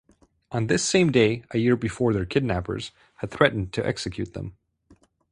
On this same day a year before their kidnappers had threatened to execute them.